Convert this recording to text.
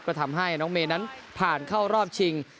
ก็ทำให้น้องเมย์นั้นผ่านเข้ารอบชิง